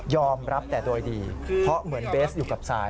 รับแต่โดยดีเพราะเหมือนเบสอยู่กับซาย